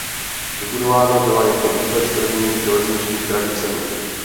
Vybudována byla jako vůbec první železniční trať v zemi.